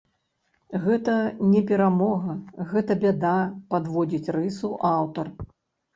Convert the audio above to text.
Гэта не перамога, гэта бяда, падводзіць рысу аўтар.